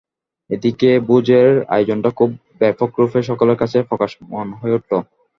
এ দিকে ভোজের আয়োজনটা খুব ব্যাপকরূপেই সকলের কাছে প্রকাশমান হয়ে উঠল।